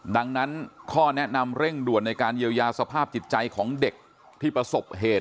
ดังนั้นข้อแนะนำเร่งด่วนในการเยียวยาสภาพจิตใจของเด็กที่ประสบเหตุ